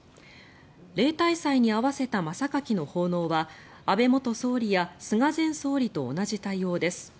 例大祭に合わせた真榊の奉納は安倍元総理や菅前総理と同じ対応です。